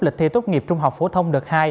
lịch thi tốt nghiệp trung học phổ thông đợt hai